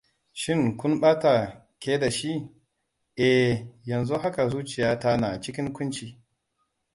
"Shin kun ɓata ke da shi? ""Eh, yanzu haka zuciya ta na cikin ƙunci""."